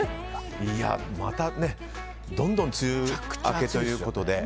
またどんどん梅雨明けということで。